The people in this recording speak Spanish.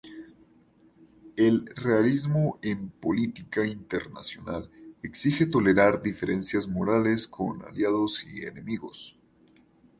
El realismo en política internacional exige tolerar diferencias morales con aliados y enemigos.